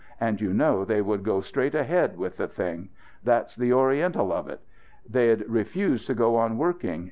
And you know they would go straight ahead with the thing. That's the Oriental of it. They'd refuse to go on working.